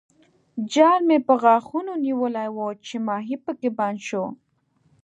جال مې په غاښونو نیولی وو چې ماهي پکې بند شو.